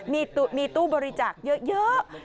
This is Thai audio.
มีตู้บริจาคเยอะ